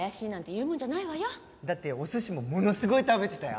だってお寿司もものすごい食べてたよ。